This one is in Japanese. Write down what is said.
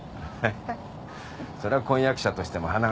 それは婚約者としても鼻が高いね。